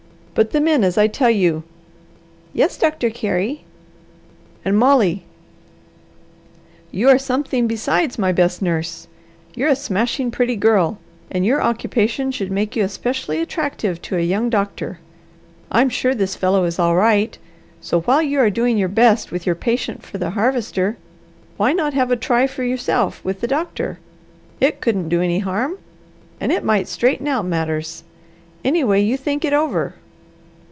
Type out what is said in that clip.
Put them in as I tell you." "Yes, Doctor Carey." "And Molly! You are something besides my best nurse. You're a smashing pretty girl, and your occupation should make you especially attractive to a young doctor. I'm sure this fellow is all right, so while you are doing your best with your patient for the Harvester, why not have a try for yourself with the doctor? It couldn't do any harm, and it might straighten out matters. Anyway, you think it over."